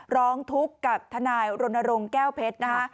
ร้องทุกข์กับทนายรณรงค์แก้วเพชรนะคะ